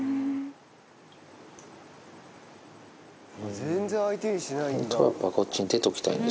全然相手にしないんだ。